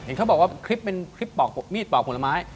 เขาบอกว่าคลิปเป็นคลิปมีดปอกผลไม้